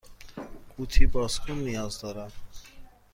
قوطی باز کن نیاز دارم.